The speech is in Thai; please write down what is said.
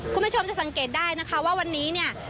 คุณผู้ชมจะสังเกตได้นะคะว่าวันนี้เนี่ย